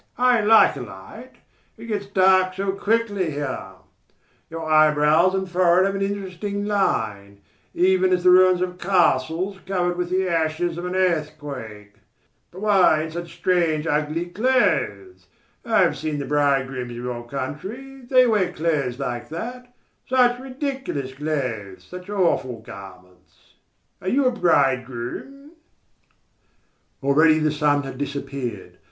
I like a light. It gets dark so quickly here. Your eyebrows and forehead have an interesting line: even as the ruins of castles covered with the ashes of an earthquake. But why in such strange, ugly clothes? I have seen the bridegrooms of your country, they wear clothes like that such ridiculous clothes such awful garments... Are you a bridegroom?" Already the sun had disappeared.